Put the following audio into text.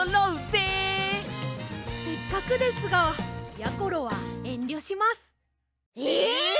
せっかくですがやころはえんりょします。え！